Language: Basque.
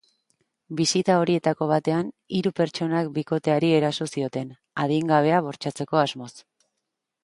Bisita horietako batean, hiru pertsonak bikoteari eraso zioten, adingabea bortxatzeko asmoz.